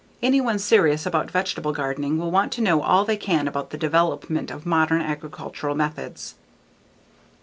Anyone serious about vegetable gardening will want to know all they can about the development of modern agricultural methods.